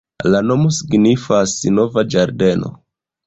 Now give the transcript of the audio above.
La nomo signifas nova ĝardeno.